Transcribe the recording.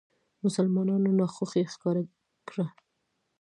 مسلمانانو ناخوښي ښکاره کړه.